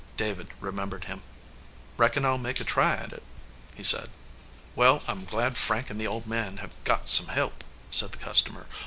David remembered him. "Reckon I ll make a try at it," he said. "Well, I m glad Frank and the old man hev got some help," said the customer.